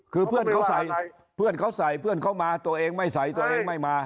คือเพื่อนเขาใส่เพื่อนเขาใส่เพื่อนเขามาตัวเองไม่ใส่ตัวเองไม่มา